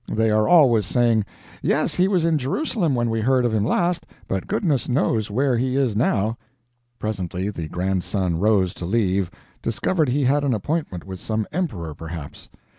They are always saying, "Yes, he was in Jerusalem when we heard of him last, but goodness knows where he is now." Presently the Grandson rose to leave discovered he had an appointment with some Emperor, perhaps.